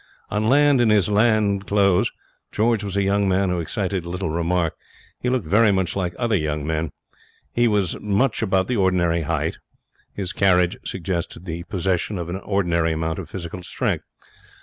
On land, in his land clothes, George was a young man who excited little remark. He looked very much like other young men. He was much about the ordinary height. His carriage suggested the possession of an ordinary amount of physical strength.